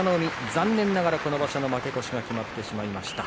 残念ながら今場所、負け越しが決まってしまいました。